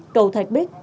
cầu thạch bích